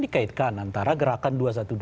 dikaitkan antara gerakan dua ratus dua belas